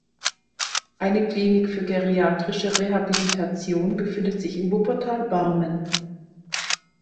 Eine Klinik für Geriatrische Rehabilitation befindet sich in Wuppertal-Barmen.